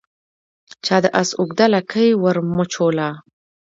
چا د آس اوږده لکۍ ور مچوله